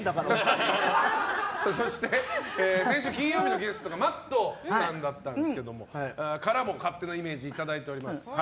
そして、先週金曜日のゲストがＭａｔｔさんだったんですがＭａｔｔさんからも勝手なイメージいただいております。